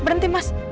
mau di ibu